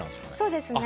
そうですね。